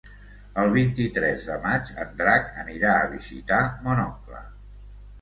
El vint-i-tres de maig en Drac anirà a visitar mon oncle.